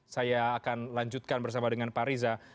saya akan lanjutkan bersama dengan pak riza